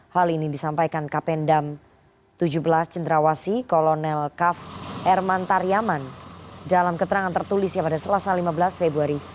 hal ini disampaikan kapendam tujuh belas cendrawasi kolonel kav herman taryaman dalam keterangan tertulisnya pada selasa lima belas februari